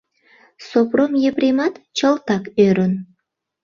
Сопром Епремат чылтак ӧрын.